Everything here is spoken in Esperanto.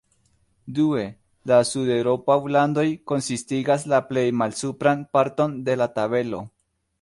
Due, la sudeŭropaj landoj konsistigas la plej malsupran parton de la tabelo.